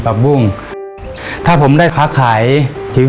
ยังเหลือเวลาทำไส้กรอกล่วงได้เยอะเลยลูก